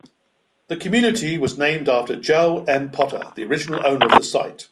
The community was named after Joel M. Potter, the original owner of the site.